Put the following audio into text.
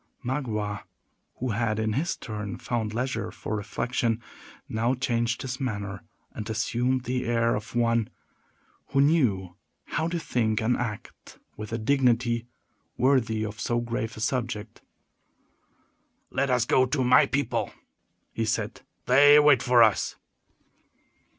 Magua, who had in his turn found leisure for reflection, now changed his manner, and assumed the air of one who knew how to think and act with a dignity worthy of so grave a subject. "Let us go to my people," he said; "they wait for us."